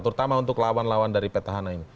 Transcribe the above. terutama untuk lawan lawan dari peta hana ini